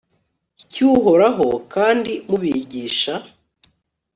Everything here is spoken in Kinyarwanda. cyU horaho kandi mubigisha